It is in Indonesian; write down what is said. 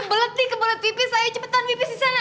belet nih ke bulet pipis ayo cepetan pipis di sana